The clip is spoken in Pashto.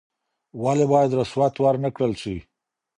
ولي بايد رسوت ورنکړل سي؟